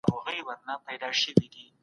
د تاريخ په اوږدو کي چا ته زور نه دی ويل سوی.